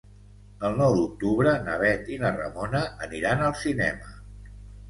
El nou d'octubre na Bet i na Ramona aniran al cinema.